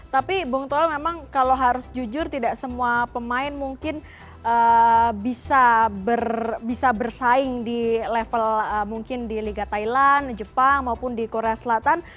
tapi bung toel memang kalau harus jujur tidak semua pemain mungkin bisa bersaing di level mungkin di liga thailand jepang maupun di korea selatan